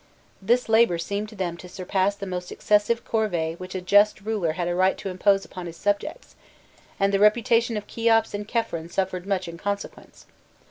This labour seemed to them to surpass the most excessive corvée which a just ruler had a right to impose upon his subjects, and the reputation of Kheops and Khephren suffered much in consequence.